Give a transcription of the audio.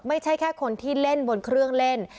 ไม่ใช่แค่คนที่เล่นบนเครื่องเล่น